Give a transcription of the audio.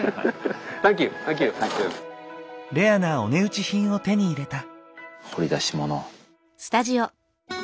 レアなお値打ち品を手に入れた。